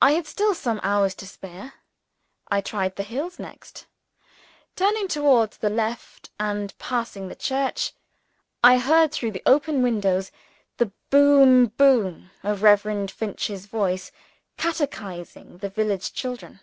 I had still some hours to spare. I tried the hills next. Turning towards the left, and passing the church, I heard through the open windows the boom boom of Reverend Finch's voice, catechizing the village children.